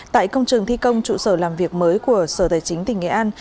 tại công trường thi công trụ sở làm việc mới của sở tài chính tỉnh nghệ an